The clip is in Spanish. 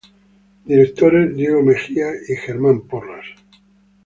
Directores Diego Mejia y Germán Porras.